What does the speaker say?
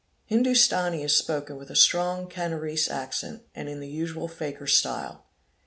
Hindustani is spoken with a strong Canarese" accent and in the usual fakir style.